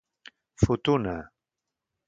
Futuna.